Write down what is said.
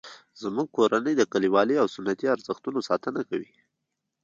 زموږ کورنۍ د کلیوالي او سنتي ارزښتونو ساتنه کوي